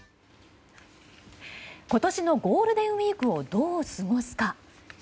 今年のゴールデンウィークをどう過ごすか。